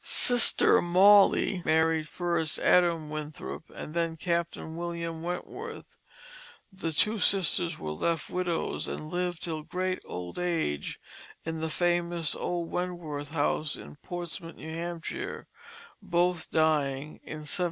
Sister Molly married first Adam Winthrop and then Captain William Wentworth. The two sisters were left widows and lived till great old age in the famous old Wentworth House in Portsmouth, New Hampshire, both dying in 1790.